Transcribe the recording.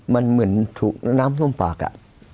มันเหมือนถูกน้ำท่วมปากอ่ะ